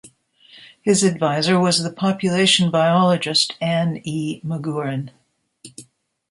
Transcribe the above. His advisor was the population biologist Anne E. Magurran.